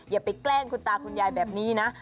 อย่าไปแกล้งคุณตาคุณยายแบบนี้นะ